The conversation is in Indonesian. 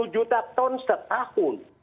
tujuh puluh juta ton setahun